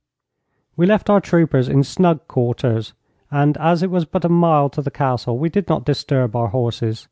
We left our troopers in snug quarters, and, as it was but a mile to the Castle, we did not disturb our horses.